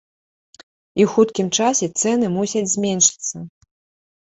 І ў хуткім часе цэны мусяць зменшыцца.